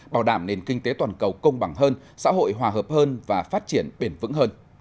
bảo đảm nền kinh tế toàn cầu công bằng hơn xã hội hòa hợp hơn và phát triển bền vững hơn